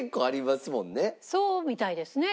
そうみたいですね。